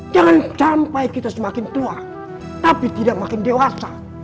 jangan sampai kita semakin tua tapi tidak makin dewasa